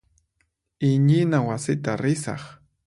Iñina wasita risaq.